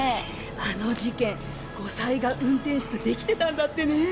あの事件後妻が運転手とデキてたんだってねぇ！